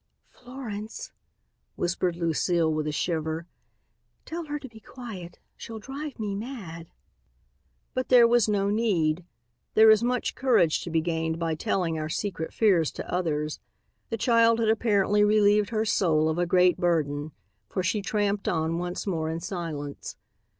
"Florence," whispered Lucile, with a shiver, "tell her to be quiet. She'll drive me mad." But there was no need. There is much courage to be gained by telling our secret fears to others. The child had apparently relieved her soul of a great burden, for she tramped on once more in silence.